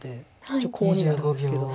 ちょっとコウになるんですけど。